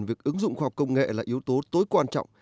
việc ứng dụng khoa học công nghệ là yếu tố tối quan trọng